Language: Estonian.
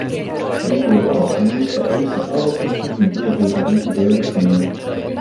Meil tuleb osata mõista Eesti saavutuste ning iseseisva riigi tõelist hinda.